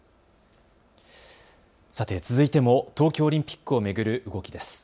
続いても東京オリンピックを巡る動きです。